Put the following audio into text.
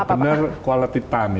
jadi benar benar quality time ya